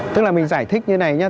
tức là mình giải thích như thế này nhé